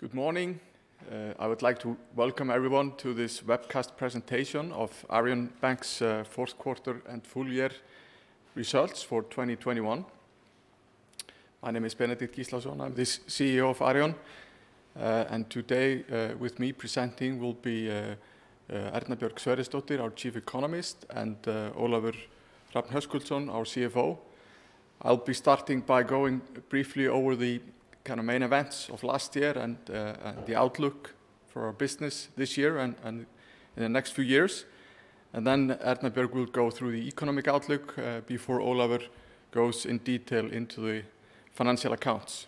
Good morning. I would like to welcome everyone to this webcast presentation of Arion Banki's fourth quarter and full year results for 2021. My name is Benedikt Gíslason. I'm the CEO of Arion. Today, with me presenting will be Erna Björg Sverrisdóttir, our Chief Economist, and Ólafur Hrafn Höskuldsson, our CFO. I'll be starting by going briefly over the kind of main events of last year and the outlook for our business this year and in the next few years. Erna Björg will go through the economic outlook before Ólafur goes in detail into the financial accounts.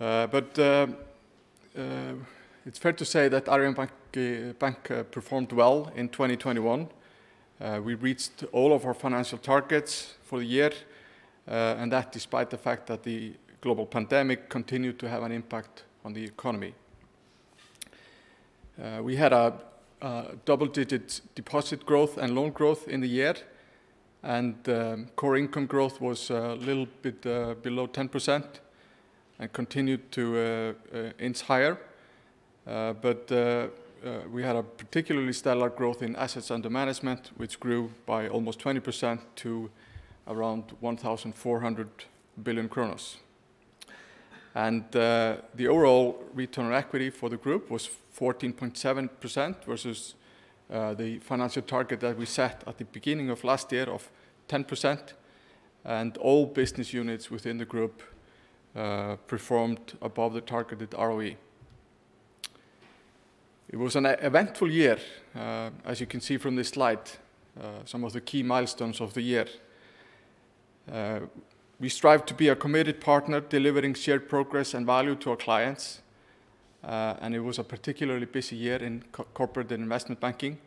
It's fair to say that Arion Banki performed well in 2021. We reached all of our financial targets for the year and that despite the fact that the global pandemic continued to have an impact on the economy. We had a double-digit deposit growth and loan growth in the year, and core income growth was a little bit below 10% and continued to inch higher. We had a particularly stellar growth in assets under management, which grew by almost 20% to around 1,400 billion. The overall return on equity for the group was 14.7% versus the financial target that we set at the beginning of last year of 10%, and all business units within the group performed above the targeted ROE. It was an eventful year, as you can see from this slide, some of the key milestones of the year. We strive to be a committed partner delivering shared progress and value to our clients, and it was a particularly busy year in corporate investment banking,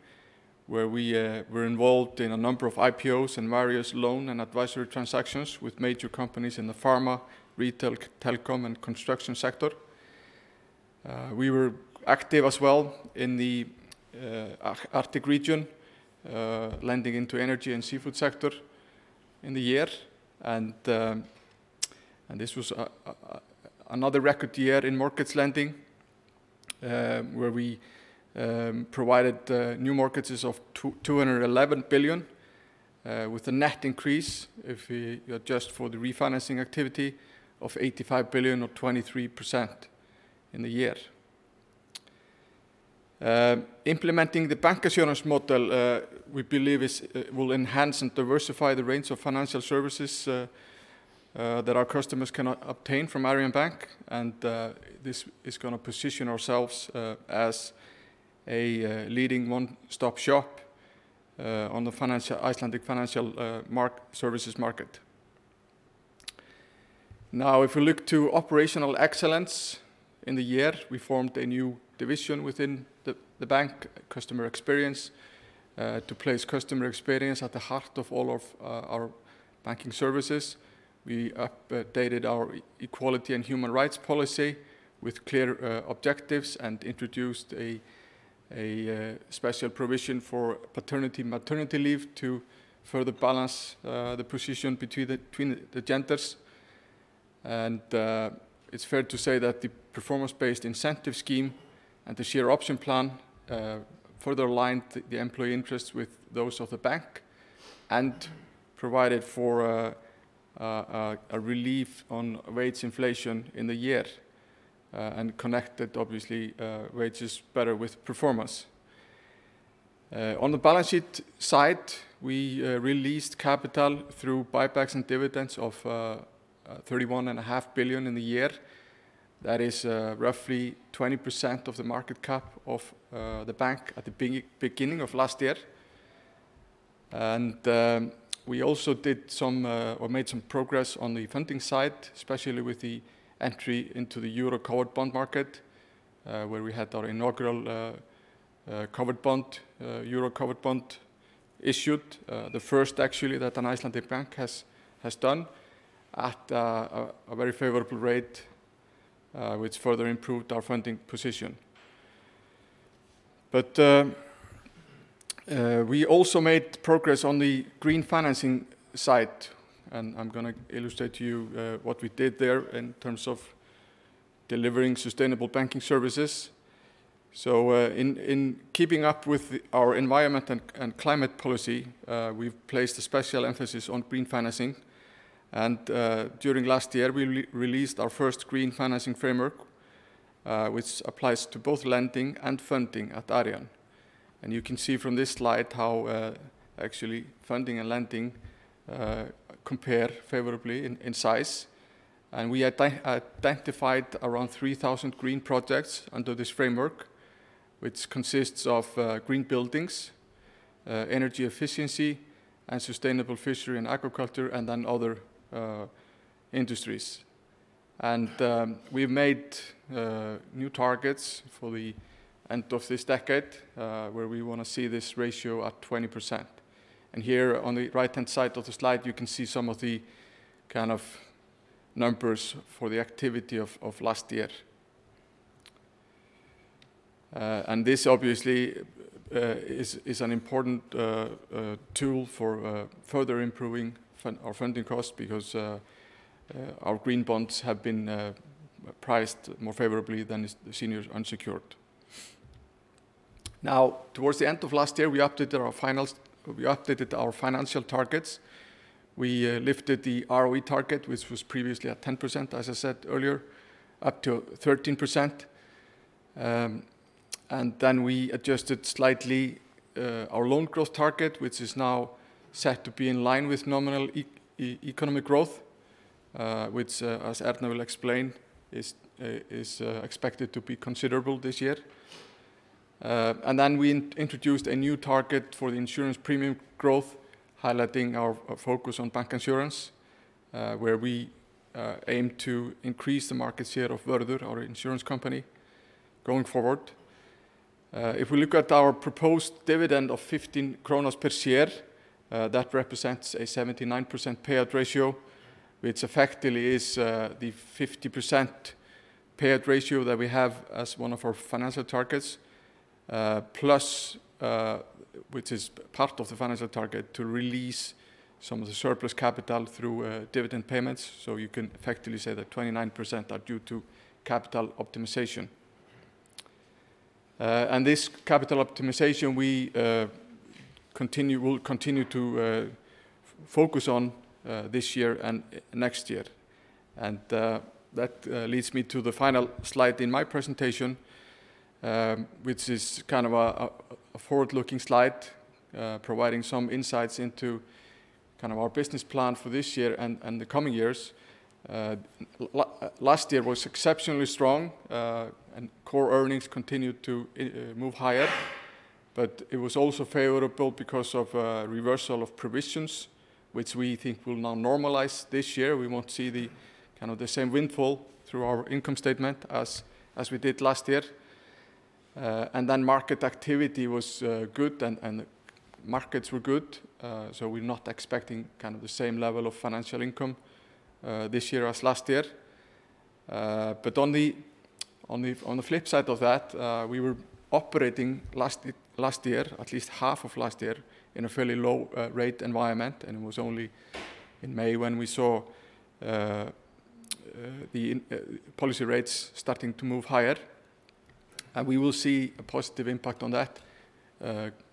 where we were involved in a number of IPOs and various loan and advisory transactions with major companies in the pharma, retail, telecom, and construction sector. We were active as well in the Arctic region, lending into energy and seafood sector in the year. This was another record year in markets lending, where we provided new mortgages of 211 billion, with a net increase if we adjust for the refinancing activity of 85 billion or 23% in the year. Implementing the bancassurance model, we believe will enhance and diversify the range of financial services that our customers can obtain from Arion Bank, and this is gonna position ourselves as a leading one-stop shop on the Icelandic financial markets and services market. Now, if we look to operational excellence in the year, we formed a new division within the bank, Customer Experience, to place customer experience at the heart of all of our banking services. We updated our Equality and Human Rights policy with clear objectives and introduced a special provision for paternity, maternity leave to further balance the position between the genders. It's fair to say that the performance-based incentive scheme and the share option plan further aligned the employee interests with those of the bank and provided for a relief on wage inflation in the year and connected obviously wages better with performance. On the balance sheet side, we released capital through buybacks and dividends of 31.5 billion in the year. That is roughly 20% of the market cap of the bank at the beginning of last year. We also made some progress on the funding side, especially with the entry into the Euro covered bond market, where we had our inaugural Euro covered bond issued, the first actually that an Icelandic bank has done at a very favorable rate, which further improved our funding position. We also made progress on the green financing side, and I'm gonna illustrate to you what we did there in terms of delivering sustainable banking services. In keeping up with our environmental and climate policy, we've placed a special emphasis on green financing. During last year, we re-released our first green financing framework, which applies to both lending and funding at Arion. You can see from this slide how actually funding and lending compare favorably in size. We identified around 3,000 green projects under this framework, which consists of green buildings, energy efficiency and sustainable fishery and aquaculture, and then other industries. We've made new targets for the end of this decade, where we wanna see this ratio at 20%. Here on the right-hand side of the slide, you can see some of the kind of numbers for the activity of last year. This obviously is an important tool for further improving our funding costs because our green bonds have been priced more favorably than senior unsecured. Now, towards the end of last year, we updated our financial targets. We lifted the ROE target, which was previously at 10%, as I said earlier, up to 13%. Then we adjusted slightly our loan growth target, which is now set to be in line with nominal economic growth, which, as Erna will explain, is expected to be considerable this year. Then we introduced a new target for the insurance premium growth, highlighting our focus on bank insurance, where we aim to increase the market share of Vörður, our insurance company, going forward. If we look at our proposed dividend of 15 per share, that represents a 79% payout ratio, which effectively is the 50% payout ratio that we have as one of our financial targets, plus which is part of the financial target to release some of the surplus capital through dividend payments. You can effectively say that 29% are due to capital optimization. This capital optimization we will continue to focus on this year and next year. That leads me to the final slide in my presentation, which is kind of a forward-looking slide providing some insights into kind of our business plan for this year and the coming years. Last year was exceptionally strong, and core earnings continued to move higher, but it was also favorable because of a reversal of provisions, which we think will now normalize this year. We won't see the kind of the same windfall through our income statement as we did last year. Market activity was good and markets were good. We're not expecting kind of the same level of financial income this year as last year. On the flip side of that, we were operating last year, at least half of last year, in a fairly low rate environment, and it was only in May when we saw the policy rates starting to move higher. We will see a positive impact on that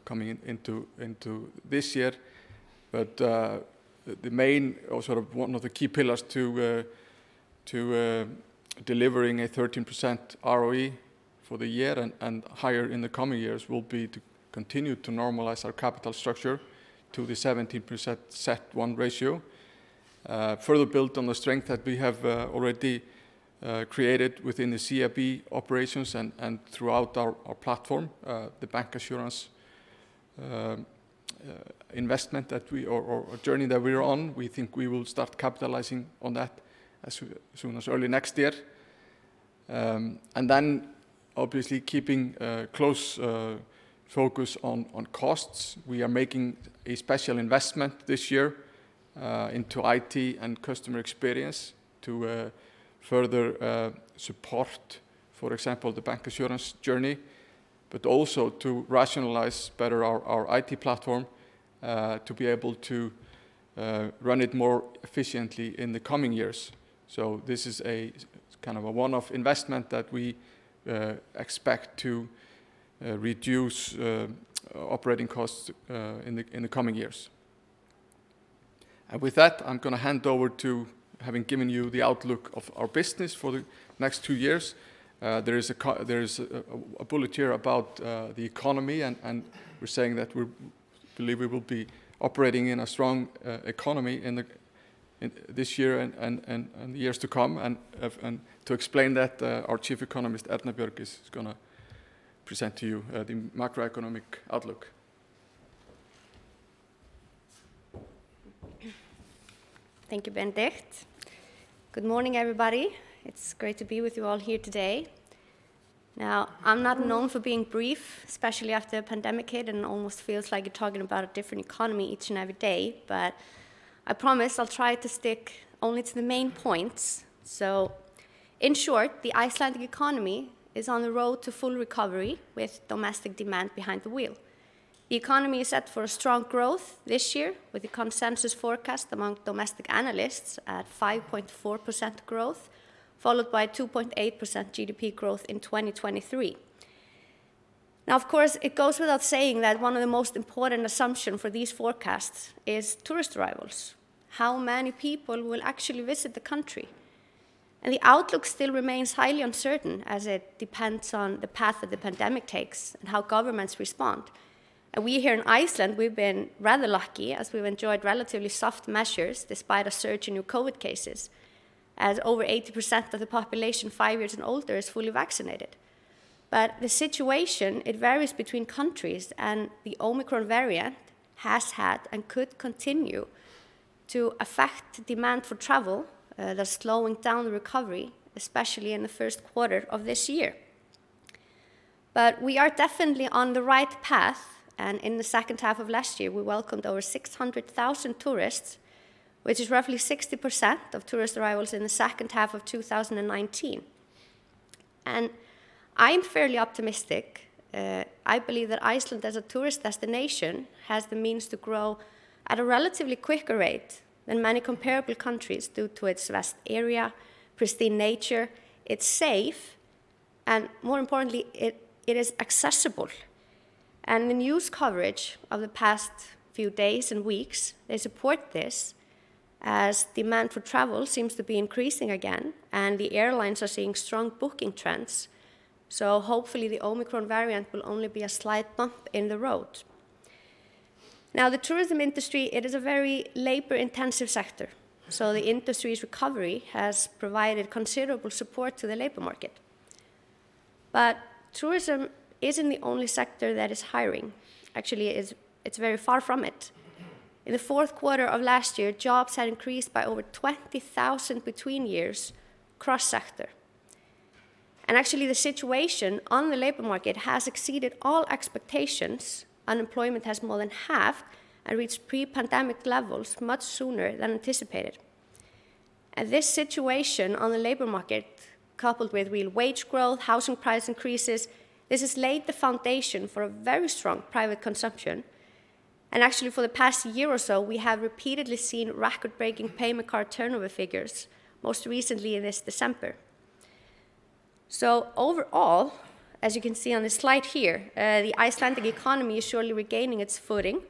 coming into this year. The main or sort of one of the key pillars to delivering a 13% ROE for the year and higher in the coming years will be to continue to normalize our capital structure to the 17% CET1 ratio. Further build on the strength that we have already created within the CIB operations and throughout our platform, the bancassurance journey that we're on. We think we will start capitalizing on that as soon as early next year. Obviously keeping a close focus on costs. We are making a special investment this year into IT and customer experience to further support, for example, the bancassurance journey, but also to rationalize better our IT platform to be able to run it more efficiently in the coming years. This is a kind of a one-off investment that we expect to reduce operating costs in the coming years. With that, I'm gonna hand over to. Having given you the outlook of our business for the next two years, there is a bullet here about the economy and we're saying that we believe we will be operating in a strong economy in this year and years to come. To explain that, our Chief Economist, Erna Björg Sverrisdóttir, is gonna present to you the macroeconomic outlook. Thank you, Benedikt. Good morning, everybody. It's great to be with you all here today. Now, I'm not known for being brief, especially after pandemic hit, and it almost feels like you're talking about a different economy each and every day. I promise I'll try to stick only to the main points. In short, the Icelandic economy is on the road to full recovery with domestic demand behind the wheel. The economy is set for a strong growth this year with the consensus forecast among domestic analysts at 5.4% growth, followed by 2.8% GDP growth in 2023. Now, of course, it goes without saying that one of the most important assumption for these forecasts is tourist arrivals. How many people will actually visit the country? The outlook still remains highly uncertain, as it depends on the path that the pandemic takes and how governments respond. We here in Iceland, we've been rather lucky, as we've enjoyed relatively soft measures despite a surge in new COVID cases, as over 80% of the population five years and older is fully vaccinated. The situation, it varies between countries, and the Omicron variant has had and could continue to affect demand for travel, thus slowing down the recovery, especially in the first quarter of this year. We are definitely on the right path, and in the second half of last year, we welcomed over 600,000 tourists, which is roughly 60% of tourist arrivals in the second half of 2019. I'm fairly optimistic. I believe that Iceland as a tourist destination has the means to grow at a relatively quicker rate than many comparable countries due to its vast area, pristine nature, it's safe, and more importantly, it is accessible. The news coverage of the past few days and weeks, they support this, as demand for travel seems to be increasing again, and the airlines are seeing strong booking trends. Hopefully, the Omicron variant will only be a slight bump in the road. Now, the tourism industry is a very labor-intensive sector, so the industry's recovery has provided considerable support to the labor market. Tourism isn't the only sector that is hiring. Actually, it's very far from it. In the fourth quarter of last year, jobs had increased by over 20,000 year-over-year cross-sector. Actually, the situation on the labor market has exceeded all expectations. Unemployment has more than halved and reached pre-pandemic levels much sooner than anticipated. This situation on the labor market, coupled with real wage growth, housing price increases, this has laid the foundation for a very strong private consumption. Actually, for the past year or so, we have repeatedly seen record-breaking payment card turnover figures, most recently in this December. Overall, as you can see on the slide here, the Icelandic economy is surely regaining its footing.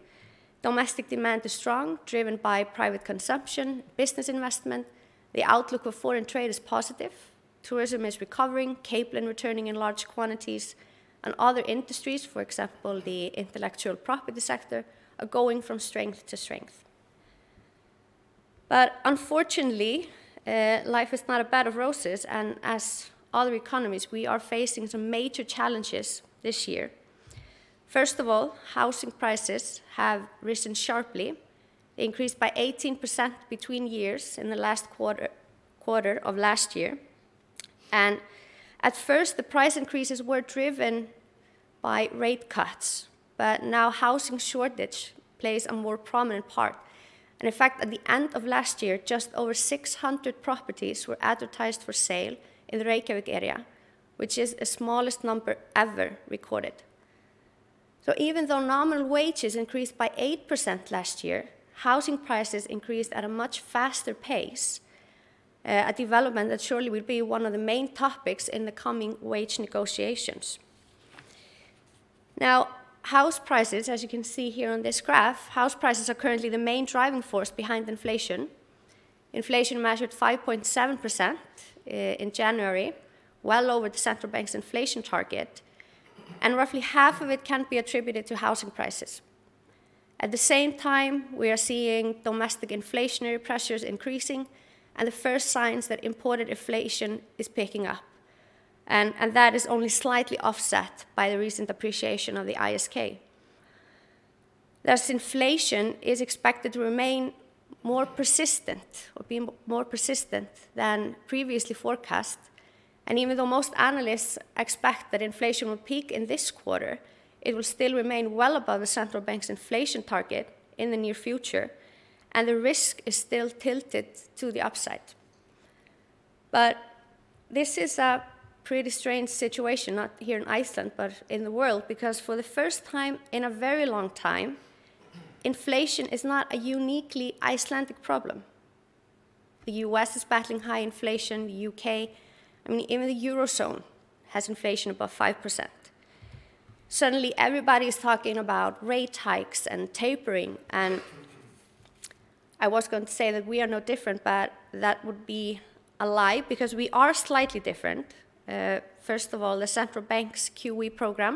Domestic demand is strong, driven by private consumption, business investment. The outlook of foreign trade is positive. Tourism is recovering, capelin returning in large quantities, and other industries, for example, the intellectual property sector, are going from strength to strength. Unfortunately, life is not a bed of roses, and like other economies, we are facing some major challenges this year. First of all, housing prices have risen sharply, increased by 18% year-on-year in the last quarter of last year. At first, the price increases were driven by rate cuts, but now housing shortage plays a more prominent part. In fact, at the end of last year, just over 600 properties were advertised for sale in the Reykjavík area, which is the smallest number ever recorded. Even though nominal wages increased by 8% last year, housing prices increased at a much faster pace, a development that surely will be one of the main topics in the coming wage negotiations. Now, house prices, as you can see here on this graph, house prices are currently the main driving force behind inflation. Inflation measured 5.7% in January, well over the Central Bank's inflation target, and roughly half of it can be attributed to housing prices. At the same time, we are seeing domestic inflationary pressures increasing and the first signs that imported inflation is picking up. That is only slightly offset by the recent appreciation of the ISK. Thus, inflation is expected to remain more persistent than previously forecast, and even though most analysts expect that inflation will peak in this quarter, it will still remain well above the Central Bank's inflation target in the near future, and the risk is still tilted to the upside. This is a pretty strange situation, not here in Iceland, but in the world, because for the first time in a very long time, inflation is not a uniquely Icelandic problem. The U.S. is battling high inflation, the U.K., I mean, even the Eurozone has inflation above 5%. Suddenly, everybody's talking about rate hikes and tapering, and I was going to say that we are no different, but that would be a lie because we are slightly different. First of all, the Central Bank's QE program,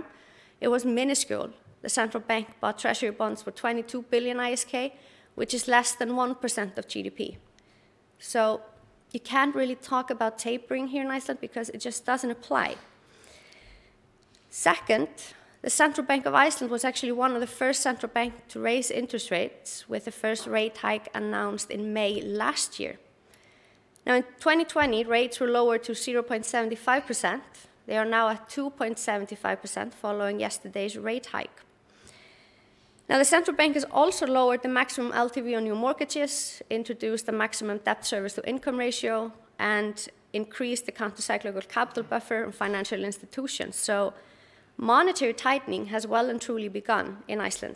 it was minuscule. The Central Bank bought treasury bonds for 22 billion ISK, which is less than 1% of GDP. You can't really talk about tapering here in Iceland because it just doesn't apply. Second, the Central Bank of Iceland was actually one of the first central banks to raise interest rates with the first rate hike announced in May last year. Now, in 2020, rates were lowered to 0.75%. They are now at 2.75% following yesterday's rate hike. The central bank has also lowered the maximum LTV on new mortgages, introduced a maximum debt service to income ratio, and increased the counter-cyclical capital buffer in financial institutions. Monetary tightening has well and truly begun in Iceland.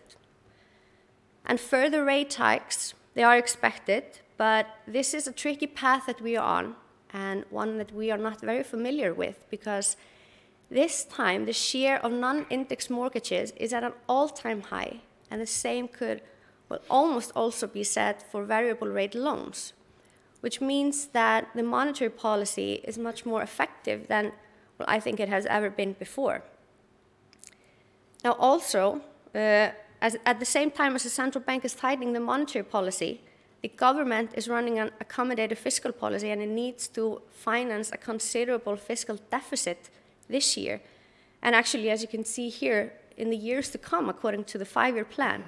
Further rate hikes, they are expected, but this is a tricky path that we are on and one that we are not very familiar with because this time, the share of non-indexed mortgages is at an all-time high, and the same could, well, almost also be said for variable rate loans, which means that the monetary policy is much more effective than, well, I think it has ever been before. Also, at the same time as the central bank is tightening the monetary policy, the government is running an accommodative fiscal policy, and it needs to finance a considerable fiscal deficit this year. Actually, as you can see here, in the years to come, according to the five-year plan.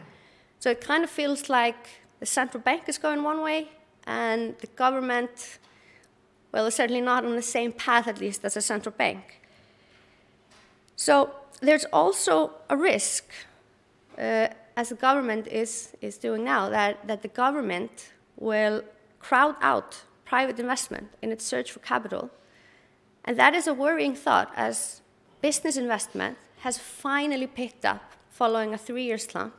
It kind of feels like the Central Bank is going one way, and the government, well, is certainly not on the same path, at least, as the Central Bank. There's also a risk, as the government is doing now that the government will crowd out private investment in its search for capital. That is a worrying thought as business investment has finally picked up following a three-year slump,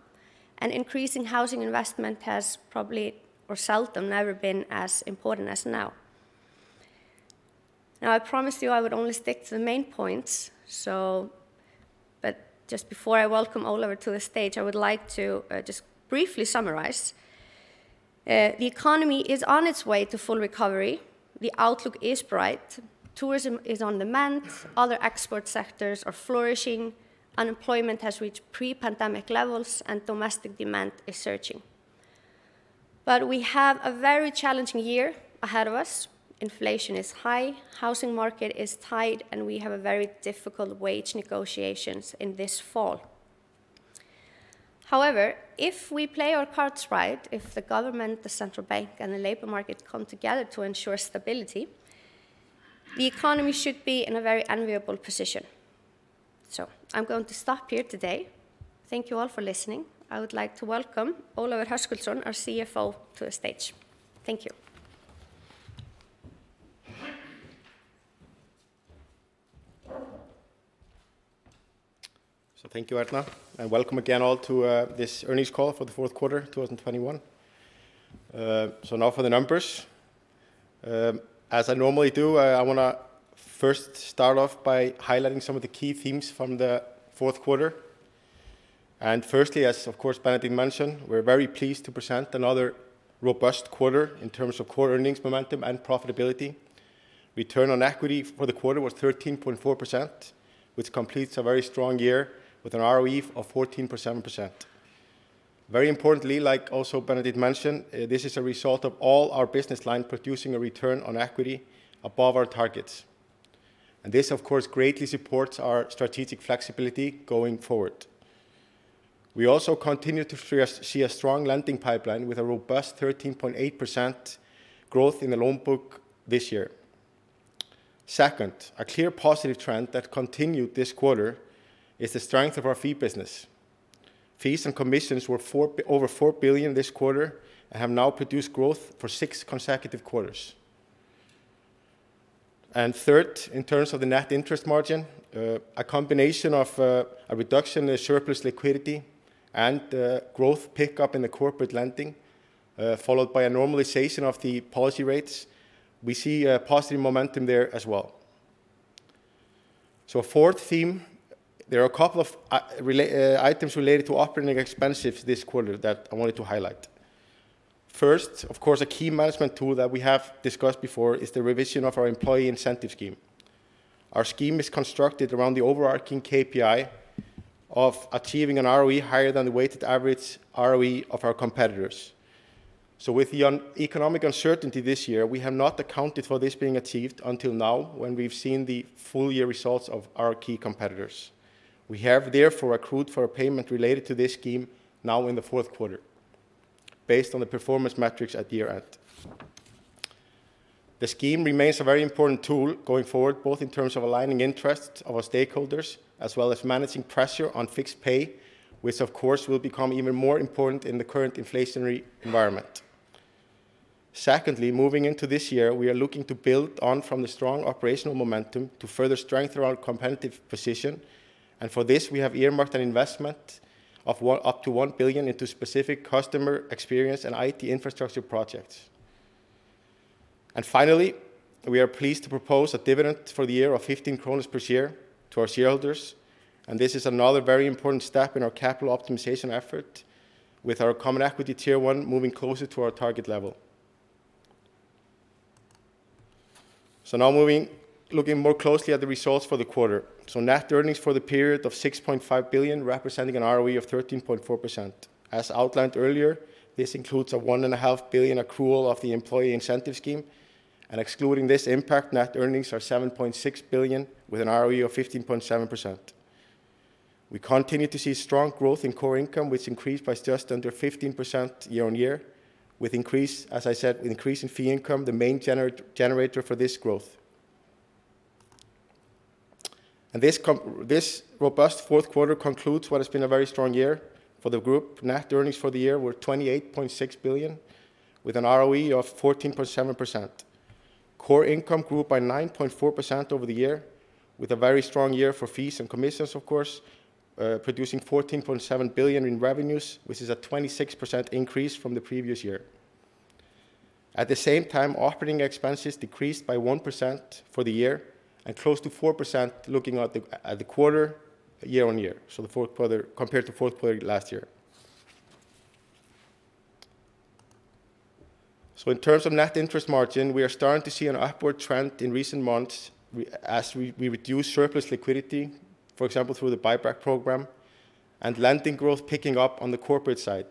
and increasing housing investment has probably or seldom never been as important as now. Now, I promised you I would only stick to the main points, but just before I welcome Ólafur to the stage, I would like to just briefly summarize. The economy is on its way to full recovery, the outlook is bright, tourism is on the mend, other export sectors are flourishing, unemployment has reached pre-pandemic levels, and domestic demand is surging. We have a very challenging year ahead of us. Inflation is high, housing market is tight, and we have a very difficult wage negotiations in this fall. However, if we play our parts right, if the government, the central bank, and the labor market come together to ensure stability, the economy should be in a very enviable position. I'm going to stop here today. Thank you all for listening. I would like to welcome Ólafur Hrafn Höskuldsson, our CFO, to the stage. Thank you. Thank you, Erna, and welcome again all to this earnings call for the fourth quarter 2021. Now for the numbers. As I normally do, I wanna first start off by highlighting some of the key themes from the fourth quarter. Firstly, as of course Benedikt mentioned, we're very pleased to present another robust quarter in terms of core earnings momentum and profitability. Return on equity for the quarter was 13.4%, which completes a very strong year with an ROE of 14.7%. Very importantly, like also Benedikt mentioned, this is a result of all our business lines producing a return on equity above our targets. This of course greatly supports our strategic flexibility going forward. We also continue to see a strong lending pipeline with a robust 13.8% growth in the loan book this year. Second, a clear positive trend that continued this quarter is the strength of our fee business. Fees and commissions were over 4 billion this quarter and have now produced growth for six consecutive quarters. Third, in terms of the net interest margin, a combination of a reduction in surplus liquidity and growth pickup in the corporate lending, followed by a normalization of the policy rates, we see a positive momentum there as well. A fourth theme, there are a couple of related items related to operating expenses this quarter that I wanted to highlight. First, of course, a key management tool that we have discussed before is the revision of our employee incentive scheme. Our scheme is constructed around the overarching KPI of achieving an ROE higher than the weighted average ROE of our competitors. With the economic uncertainty this year, we have not accounted for this being achieved until now when we've seen the full year results of our key competitors. We have therefore accrued for a payment related to this scheme now in the fourth quarter based on the performance metrics at year-end. The scheme remains a very important tool going forward, both in terms of aligning interests of our stakeholders as well as managing pressure on fixed pay, which of course will become even more important in the current inflationary environment. Secondly, moving into this year, we are looking to build on from the strong operational momentum to further strengthen our competitive position. For this, we have earmarked an investment of up to 1 billion into specific customer experience and IT infrastructure projects. Finally, we are pleased to propose a dividend for the year of 15 per share to our shareholders, and this is another very important step in our capital optimization effort with our Common Equity Tier 1 moving closer to our target level. Now looking more closely at the results for the quarter. Net earnings for the period of 6.5 billion, representing an ROE of 13.4%. As outlined earlier, this includes an 1.5 billion accrual of the employee incentive scheme. Excluding this impact, net earnings are 7.6 billion with an ROE of 15.7%. We continue to see strong growth in core income, which increased by just under 15% year-over-year, with increase in fee income, the main generator for this growth. This robust fourth quarter concludes what has been a very strong year for the group. Net earnings for the year were 28.6 billion, with an ROE of 14.7%. Core income grew by 9.4% over the year, with a very strong year for fees and commissions, of course, producing 14.7 billion in revenues, which is a 26% increase from the previous year. At the same time, operating expenses decreased by 1% for the year and close to 4% looking at the quarter year-over-year, so the fourth quarter compared to fourth quarter last year. In terms of net interest margin, we are starting to see an upward trend in recent months as we reduce surplus liquidity, for example, through the buyback program and lending growth picking up on the corporate side,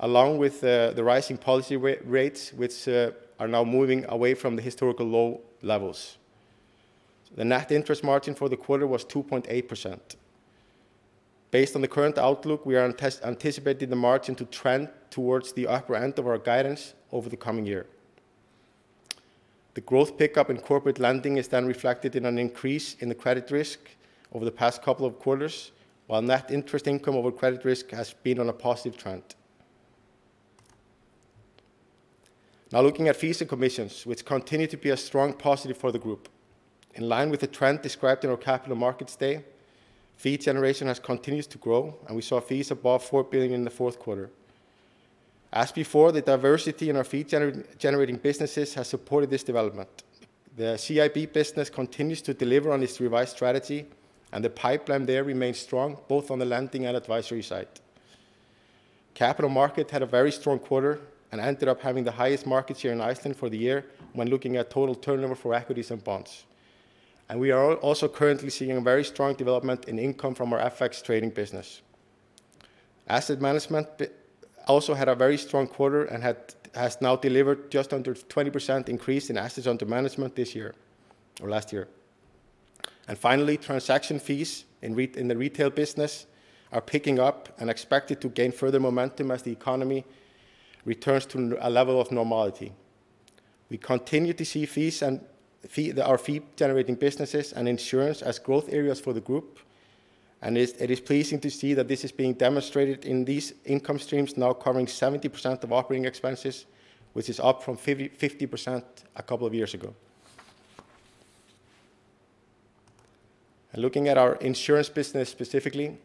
along with the rising policy rates, which are now moving away from the historical low levels. The net interest margin for the quarter was 2.8%. Based on the current outlook, we are anticipating the margin to trend towards the upper end of our guidance over the coming year. The growth pickup in corporate lending is then reflected in an increase in the credit risk over the past couple of quarters, while net interest income over credit risk has been on a positive trend. Now looking at fees and commissions, which continue to be a strong positive for the group. In line with the trend described in our Capital Markets Day, fee generation has continued to grow, and we saw fees above 4 billion in the fourth quarter. As before, the diversity in our fee generating businesses has supported this development. The CIB business continues to deliver on its revised strategy, and the pipeline there remains strong both on the lending and advisory side. Capital market had a very strong quarter and ended up having the highest market share here in Iceland for the year when looking at total turnover for equities and bonds. We are also currently seeing a very strong development in income from our FX trading business. Asset management also had a very strong quarter and has now delivered just under 20% increase in assets under management this year or last year. Finally, transaction fees in the retail business are picking up and expected to gain further momentum as the economy returns to a level of normality. We continue to see fees and our fee generating businesses and insurance as growth areas for the group, and it is pleasing to see that this is being demonstrated in these income streams now covering 70% of operating expenses, which is up from 50% a couple of years ago. Looking at our insurance business specifically,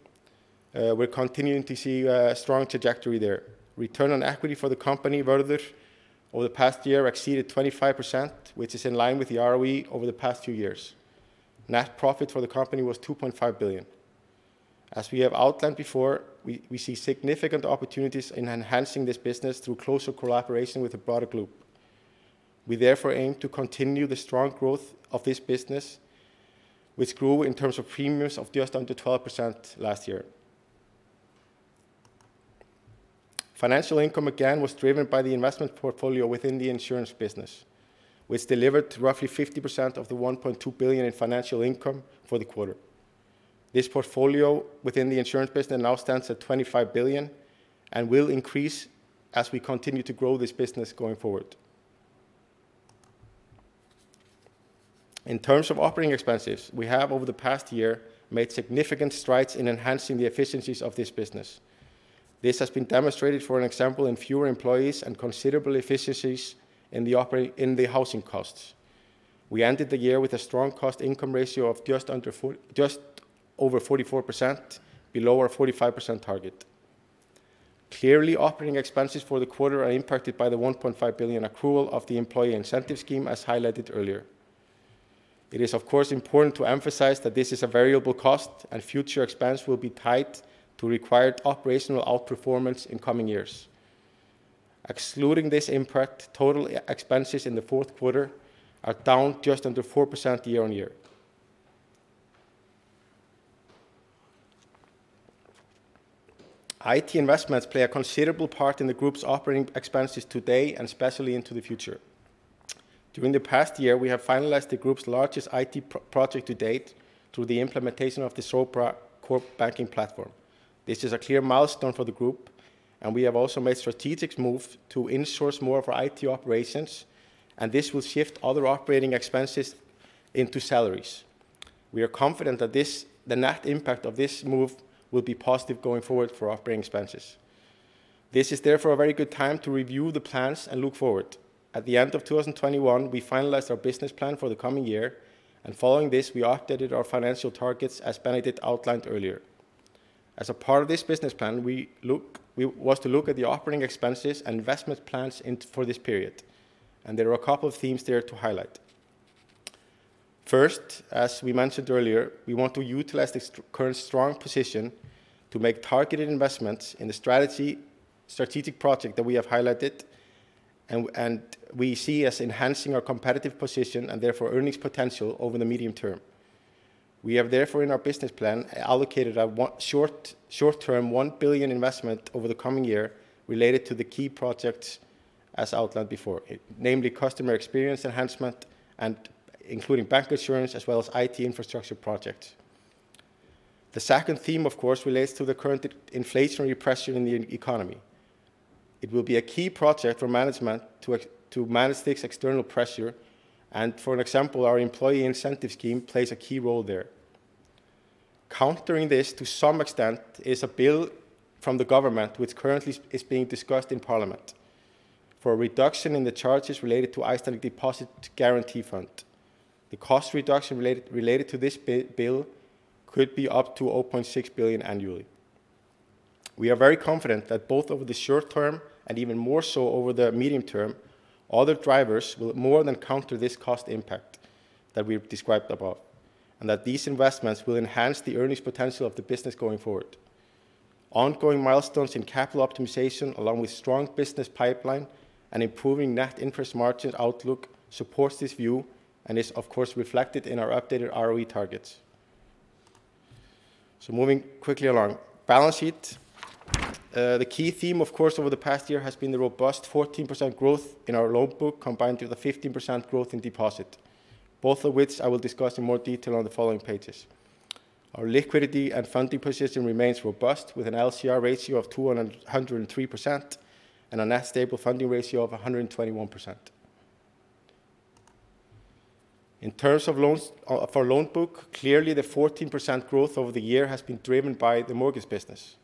we're continuing to see strong trajectory there. Return on equity for the company, Vörður, over the past year exceeded 25%, which is in line with the ROE over the past few years. Net profit for the company was 2.5 billion. As we have outlined before, we see significant opportunities in enhancing this business through closer collaboration with the broader group. We therefore aim to continue the strong growth of this business, which grew in terms of premiums of just under 12% last year. Financial income again was driven by the investment portfolio within the insurance business, which delivered roughly 50% of the 1.2 billion in financial income for the quarter. This portfolio within the insurance business now stands at 25 billion and will increase as we continue to grow this business going forward. In terms of operating expenses, we have over the past year made significant strides in enhancing the efficiencies of this business. This has been demonstrated, for example, in fewer employees and considerable efficiencies in the housing costs. We ended the year with a strong cost income ratio of just over 44% below our 45% target. Clearly, operating expenses for the quarter are impacted by the 1.5 billion accrual of the employee incentive scheme as highlighted earlier. It is of course important to emphasize that this is a variable cost and future expense will be tied to required operational outperformance in coming years. Excluding this impact, total expenses in the fourth quarter are down 4% year-on-year. IT investments play a considerable part in the group's operating expenses today and especially into the future. During the past year, we have finalized the group's largest IT project to date through the implementation of the Sopra core banking platform. This is a clear milestone for the group, and we have also made strategic move to insource more of our IT operations, and this will shift other operating expenses into salaries. We are confident that the net impact of this move will be positive going forward for operating expenses. This is therefore a very good time to review the plans and look forward. At the end of 2021, we finalized our business plan for the coming year, and following this, we updated our financial targets as Benedikt outlined earlier. As a part of this business plan, we were to look at the operating expenses and investment plans for this period, and there are a couple of themes there to highlight. First, as we mentioned earlier, we want to utilize this current strong position to make targeted investments in the strategic project that we have highlighted and we see as enhancing our competitive position and therefore earnings potential over the medium term. We have therefore in our business plan allocated a short-term 1 billion investment over the coming year related to the key projects as outlined before, namely customer experience enhancement including bancassurance as well as IT infrastructure projects. The second theme, of course, relates to the current inflationary pressure in the economy. It will be a key project for management to manage this external pressure and for example, our employee incentive scheme plays a key role there. Countering this to some extent is a bill from the government which currently is being discussed in parliament for a reduction in the charges related to Depositors Guarantee Fund. The cost reduction related to this bill could be up to 0.6 billion annually. We are very confident that both over the short term and even more so over the medium term, other drivers will more than counter this cost impact that we have described above, and that these investments will enhance the earnings potential of the business going forward. Ongoing milestones in capital optimization along with strong business pipeline and improving net interest margin outlook supports this view and is of course reflected in our updated ROE targets. Moving quickly along. Balance sheet. The key theme of course over the past year has been the robust 14% growth in our loan book combined with the 15% growth in deposits, both of which I will discuss in more detail on the following pages. Our liquidity and funding position remains robust with an LCR ratio of 203% and a net stable funding ratio of 121%. In terms of our loan book, clearly the 14% growth over the year has been driven by the mortgage business.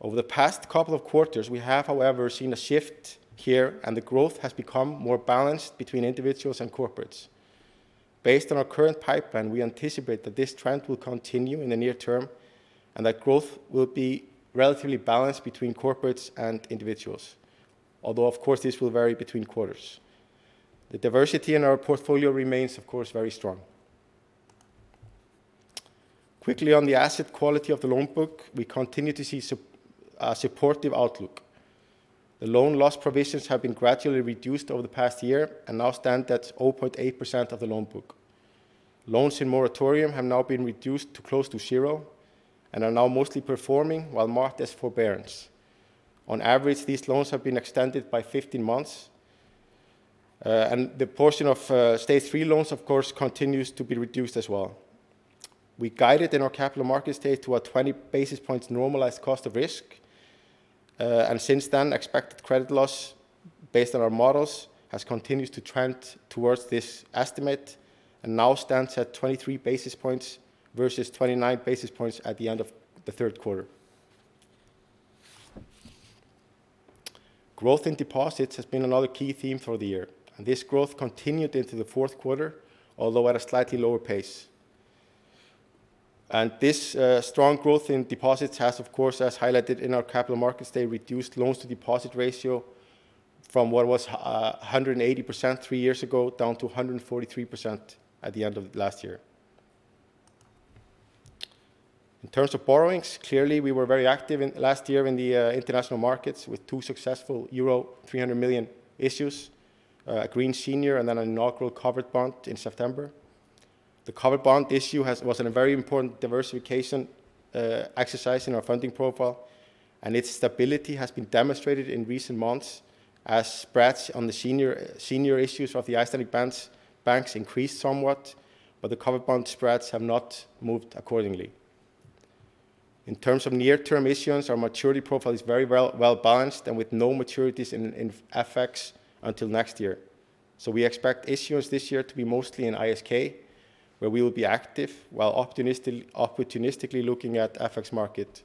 Over the past couple of quarters, we have, however, seen a shift here, and the growth has become more balanced between individuals and corporates. Based on our current pipeline, we anticipate that this trend will continue in the near term and that growth will be relatively balanced between corporates and individuals. Although, of course, this will vary between quarters. The diversity in our portfolio remains, of course, very strong. Quickly on the asset quality of the loan book, we continue to see a supportive outlook. The loan loss provisions have been gradually reduced over the past year and now stand at 0.8% of the loan book. Loans in moratorium have now been reduced to close to zero and are now mostly performing while marked as forbearance. On average, these loans have been extended by 15 months. The portion of stage three loans, of course, continues to be reduced as well. We guided in our Capital Markets Day to a 20 basis points normalized cost of risk. Since then, expected credit loss based on our models has continued to trend towards this estimate and now stands at 23 basis points versus 29 basis points at the end of the third quarter. Growth in deposits has been another key theme for the year, and this growth continued into the fourth quarter, although at a slightly lower pace. This strong growth in deposits has, of course, as highlighted in our Capital Markets Day, reduced loans to deposit ratio from what was 180% three years ago, down to 143% at the end of last year. In terms of borrowings, clearly, we were very active last year in the international markets with two successful euro 300 million issues, a green senior and then an inaugural covered bond in September. The covered bond issue was a very important diversification exercise in our funding profile, and its stability has been demonstrated in recent months as spreads on the senior issues of the Icelandic banks increased somewhat, but the covered bond spreads have not moved accordingly. In terms of near-term issuance, our maturity profile is very well-balanced and with no maturities in FX until next year. We expect issuance this year to be mostly in ISK, where we will be active while opportunistically looking at FX market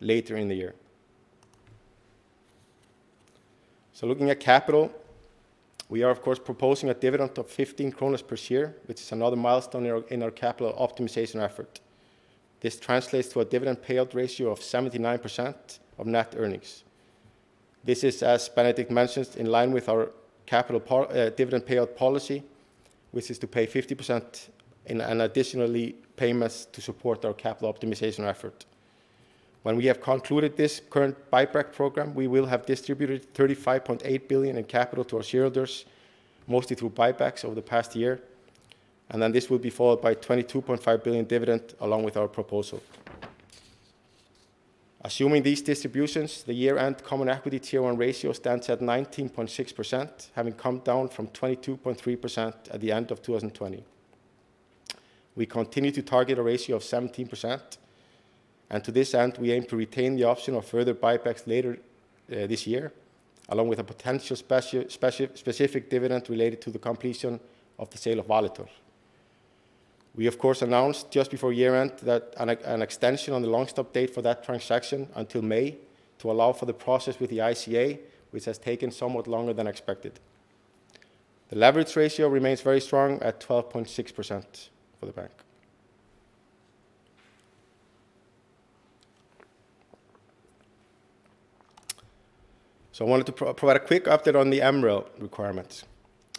later in the year. Looking at capital, we are of course proposing a dividend of 15 per share, which is another milestone in our capital optimization effort. This translates to a dividend payout ratio of 79% of net earnings. This is, as Benedikt mentioned, in line with our capital plan dividend payout policy, which is to pay 50% in additional payments to support our capital optimization effort. When we have concluded this current buyback program, we will have distributed 35.8 billion in capital to our shareholders, mostly through buybacks over the past year. This will be followed by 22.5 billion dividend along with our proposal. Assuming these distributions, the year-end common equity tier one ratio stands at 19.6%, having come down from 22.3% at the end of 2020. We continue to target a ratio of 17%, and to this end, we aim to retain the option of further buybacks later this year, along with a potential specific dividend related to the completion of the sale of Valitor. We, of course, announced just before year-end that an extension on the launch update for that transaction until May to allow for the process with the ICA, which has taken somewhat longer than expected. The leverage ratio remains very strong at 12.6% for the bank. I wanted to provide a quick update on the MREL requirements.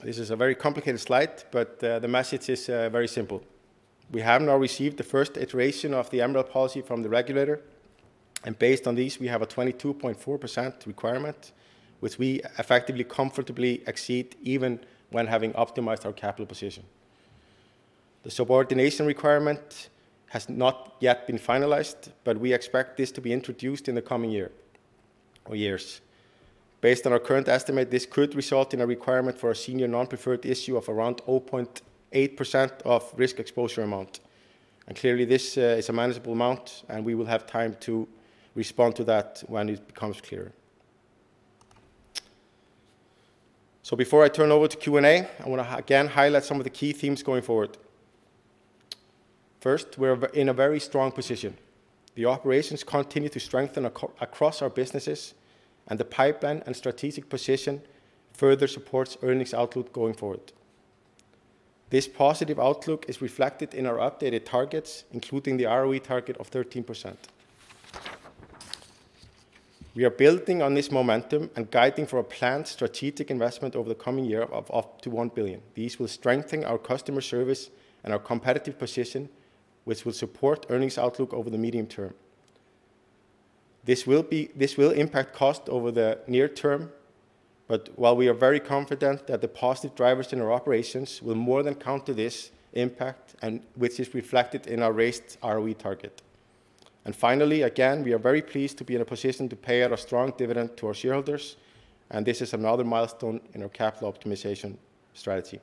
This is a very complicated slide, but the message is very simple. We have now received the first iteration of the MREL policy from the regulator, and based on these, we have a 22.4% requirement, which we effectively comfortably exceed even when having optimized our capital position. The subordination requirement has not yet been finalized, but we expect this to be introduced in the coming year or years. Based on our current estimate, this could result in a requirement for a senior non-preferred issue of around 0.8% of risk exposure amount. Clearly, this is a manageable amount, and we will have time to respond to that when it becomes clearer. Before I turn over to Q&A, I wanna again highlight some of the key themes going forward. First, we're in a very strong position. The operations continue to strengthen across our businesses, and the pipeline and strategic position further supports earnings outlook going forward. This positive outlook is reflected in our updated targets, including the ROE target of 13%. We are building on this momentum and guiding for a planned strategic investment over the coming year of up to 1 billion. These will strengthen our customer service and our competitive position, which will support earnings outlook over the medium term. This will impact cost over the near term, but while we are very confident that the positive drivers in our operations will more than counter this impact and which is reflected in our raised ROE target. Finally, again, we are very pleased to be in a position to pay out a strong dividend to our shareholders, and this is another milestone in our capital optimization strategy.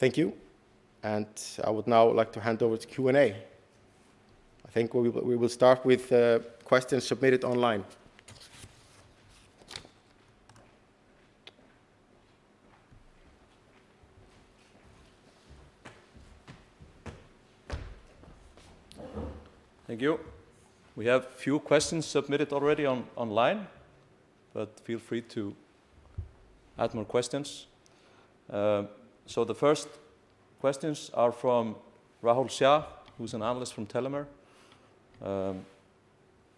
Thank you, and I would now like to hand over to Q&A. I think we will start with questions submitted online. Thank you. We have few questions submitted already online, but feel free to add more questions. The first questions are from Rahul Shah, who's an analyst from Tellimer.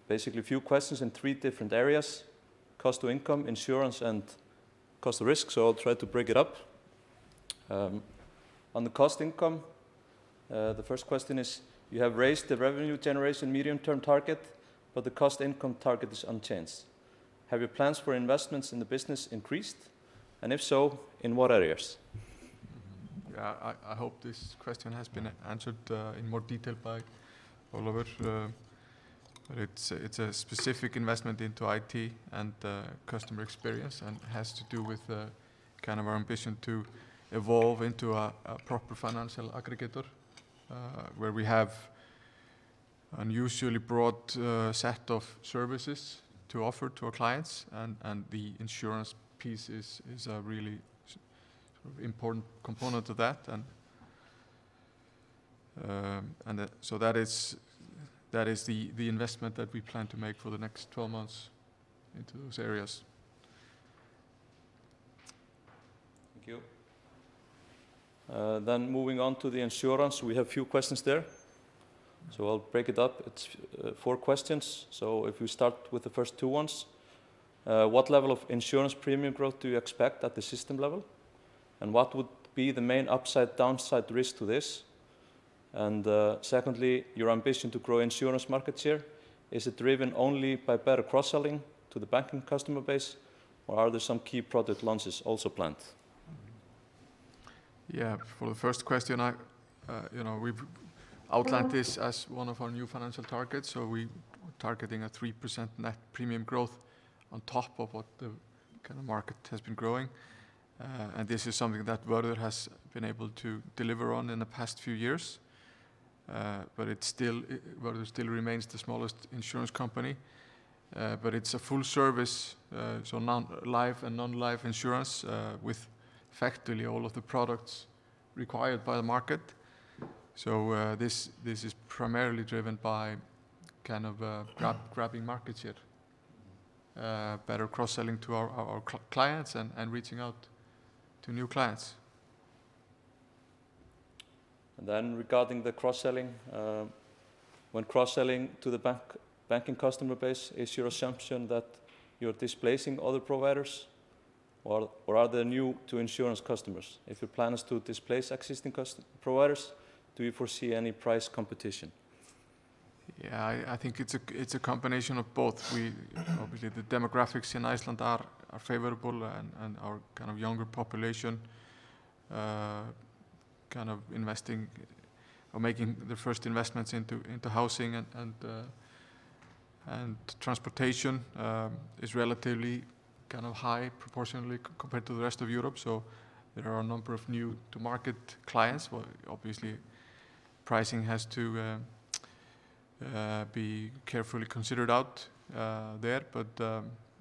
Basically a few questions in three different areas: cost to income, insurance, and cost of risk. I'll try to break it up. On the cost income, the first question is, you have raised the revenue generation medium-term target, but the cost income target is unchanged. Have your plans for investments in the business increased, and if so, in what areas? Yeah, I hope this question has been answered in more detail by Ólafur. It's a specific investment into IT and customer experience and has to do with kind of our ambition to evolve into a proper financial aggregator where we have unusually broad set of services to offer to our clients and the insurance piece is a really sort of important component of that. That is the investment that we plan to make for the next 12 months into those areas. Thank you. Moving on to the insurance, we have a few questions there. I'll break it up. It's four questions, so if we start with the first two ones. What level of insurance premium growth do you expect at the system level, and what would be the main upside, downside risk to this? Secondly, your ambition to grow insurance market share, is it driven only by better cross-selling to the banking customer base, or are there some key product launches also planned? Yeah. For the first question, I, you know, we've outlined this as one of our new financial targets, so we're targeting a 3% net premium growth on top of what the kind of market has been growing. This is something that Vörður has been able to deliver on in the past few years. It still, Vörður still remains the smallest insurance company. It's a full service, so life and non-life insurance, with effectively all of the products required by the market. This is primarily driven by kind of, grabbing market share. Better cross-selling to our clients and reaching out to new clients. Regarding the cross-selling, when cross-selling to the bank's banking customer base, is your assumption that you're displacing other providers or are they new to insurance customers? If your plan is to displace existing providers, do you foresee any price competition? I think it's a combination of both. Obviously the demographics in Iceland are favorable and our kind of younger population kind of investing or making the first investments into housing and transportation is relatively kind of high proportionally compared to the rest of Europe. There are a number of new to market clients. Well, obviously pricing has to be carefully considered out there.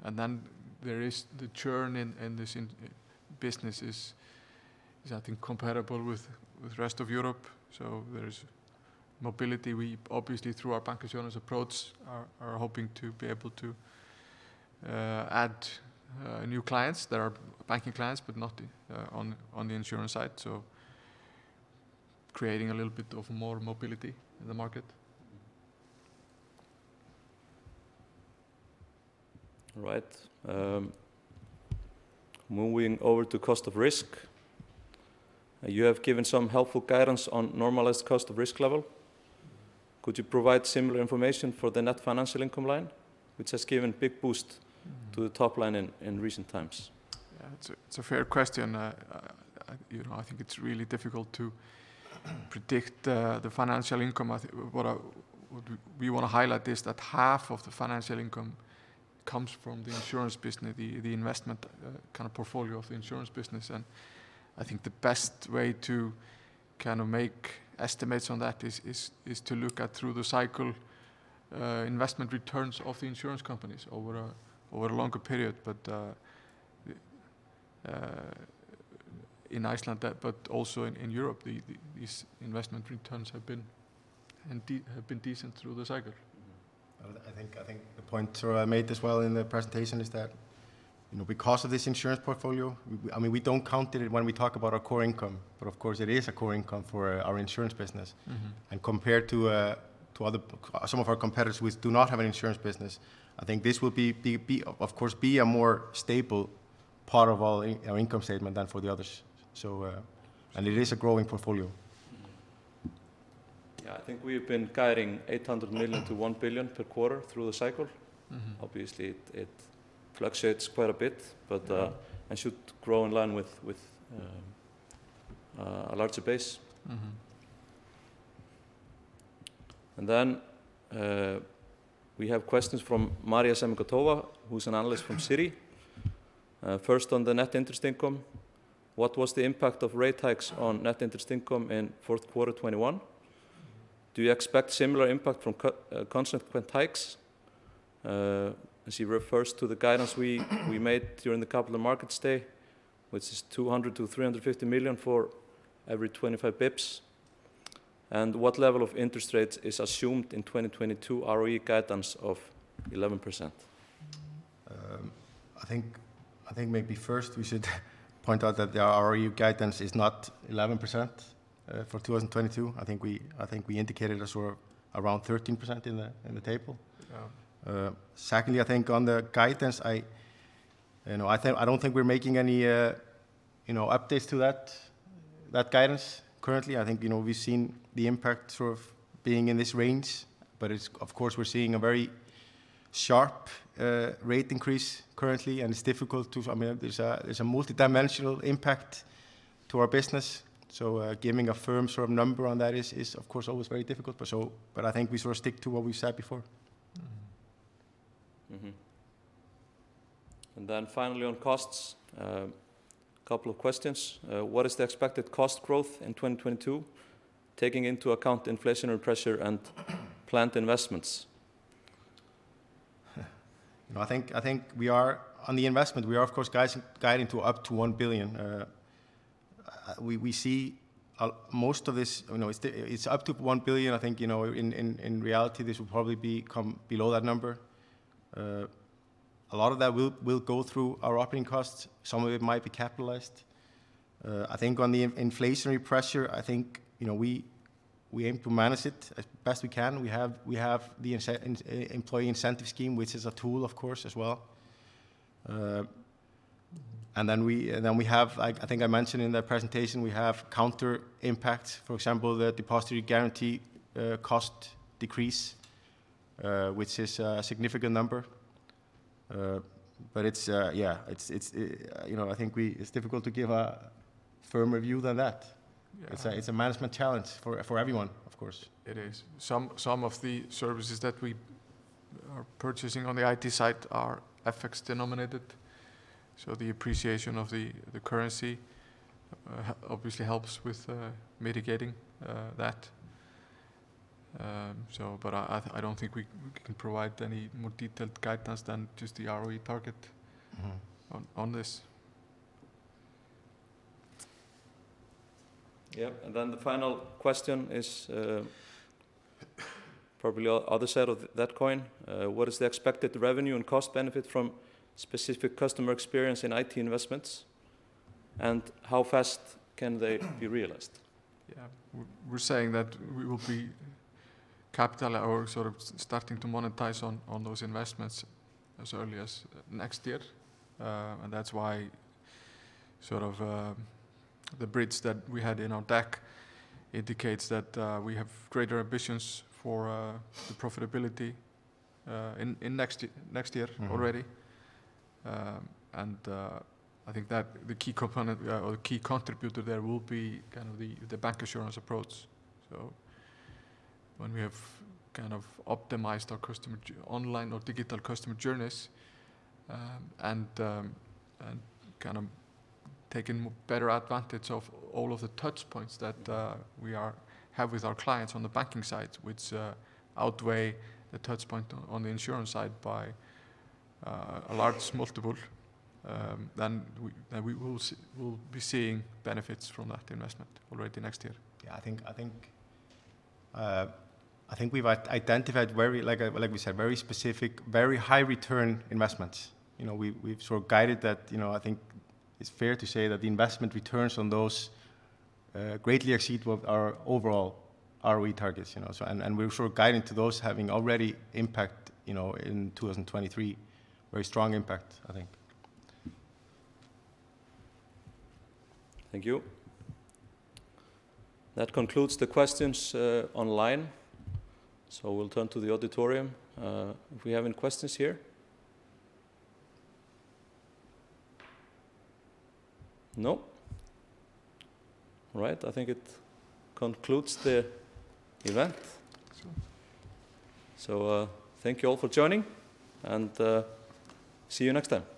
Then there is the churn in this business is I think comparable with rest of Europe, so there's mobility. We obviously, through our bancassurance approach, are hoping to be able to add new clients that are banking clients but not on the insurance side, creating a little bit more mobility in the market. All right. Moving over to cost of risk. You have given some helpful guidance on normalized cost of risk level. Could you provide similar information for the net financial income line, which has given big boost to the top line in recent times? Yeah, it's a fair question. You know, I think it's really difficult to predict the financial income. What we wanna highlight is that half of the financial income comes from the insurance business, the investment kind of portfolio of the insurance business. I think the best way to kind of make estimates on that is to look at through the cycle investment returns of the insurance companies over a longer period. In Iceland, but also in Europe, these investment returns have been decent through the cycle. I think the point sort of I made as well in the presentation is that, you know, because of this insurance portfolio, I mean, we don't count it when we talk about our core income, but of course it is a core income for our insurance business. Mm-hmm. Compared to some of our competitors who do not have an insurance business, I think this will be of course a more stable part of our income statement than for the others. It is a growing portfolio. Mm-hmm. Yeah, I think we've been guiding 800 million-1 billion per quarter through the cycle. Mm-hmm. Obviously, it fluctuates quite a bit and should grow in line with a larger base. Mm-hmm. We have questions from Maria Semikhatova, who's an analyst from Citi. First on the net interest income, what was the impact of rate hikes on net interest income in fourth quarter 2021? Do you expect similar impact from consequent hikes? As she refers to the guidance we made during the capital markets day, which is 200 million-350 million for every 25 bps. What level of interest rates is assumed in 2022 ROE guidance of 11%? I think maybe first we should point out that the ROE guidance is not 11% for 2022. I think we indicated a sort of around 13% in the table. Yeah. Secondly, I think on the guidance, you know, I don't think we're making any, you know, updates to that guidance currently. I think, you know, we've seen the impact sort of being in this range, but it's of course we're seeing a very sharp rate increase currently, and it's difficult to. I mean, there's a multidimensional impact to our business, so giving a firm sort of number on that is of course always very difficult. I think we sort of stick to what we've said before. Finally on costs, couple of questions. What is the expected cost growth in 2022, taking into account inflationary pressure and planned investments? You know, I think we are on the investment, we are of course guiding to up to 1 billion. We see most of this, you know, it's up to 1 billion. I think, you know, in reality this will probably become below that number. A lot of that will go through our operating costs. Some of it might be capitalized. I think on the inflationary pressure, I think, you know, we aim to manage it as best we can. We have the employee incentive scheme, which is a tool of course as well. And then we have, I think I mentioned in the presentation, we have counter impacts. For example, the Depositors Guarantee Fund cost decrease, which is a significant number. Yeah, you know, it's difficult to give a firmer view than that. Yeah. It's a management challenge for everyone, of course. It is. Some of the services that we are purchasing on the IT side are FX denominated. The appreciation of the currency obviously helps with mitigating that. I don't think we can provide any more detailed guidance than just the ROE target on this. Yeah. The final question is, probably the other side of that coin. What is the expected revenue and cost benefit from specific customer experience in IT investments, and how fast can they be realized? Yeah. We're saying that we will be capitalizing or sort of starting to monetize on those investments as early as next year. That's why sort of the bridge that we had in our deck indicates that we have greater ambitions for the profitability in next year already. Mm-hmm. I think that the key component or the key contributor there will be kind of the bancassurance approach. When we have kind of optimized our online or digital customer journeys, and kind of taken better advantage of all of the touch points that we have with our clients on the banking side, which outweigh the touch point on the insurance side by a large multiple, then we'll be seeing benefits from that investment already next year. Yeah. I think we've identified very, like we said, very specific, very high return investments. You know, we've sort of guided that. You know, I think it's fair to say that the investment returns on those greatly exceed what our overall ROE targets, you know. We're sort of guiding to those having already impact, you know, in 2023. Very strong impact, I think. Thank you. That concludes the questions online. We'll turn to the auditorium if we have any questions here. No? All right. I think it concludes the event. I think so. Thank you all for joining, and see you next time.